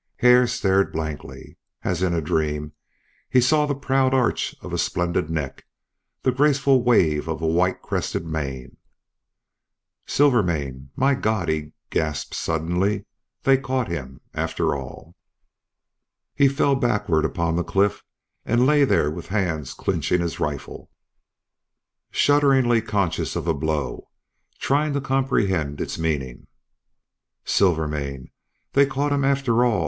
Hare stared blankly. As in a dream he saw the proud arch of a splendid neck, the graceful wave of a white crested mane. "Silvermane!... My God!" he gasped, suddenly. "They caught him after all!" He fell backward upon the cliff and lay there with hands clinching his rifle, shudderingly conscious of a blow, trying to comprehend its meaning. "Silvermane!... they caught him after all!"